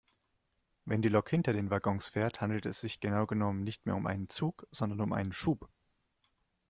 Wenn die Lok hinter den Waggons fährt, handelt es sich genau genommen nicht mehr um einen Zug sondern um einen Schub.